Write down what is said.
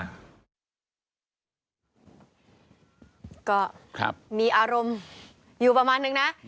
ก็มีอารมณ์อยู่ประมาณนึงนะ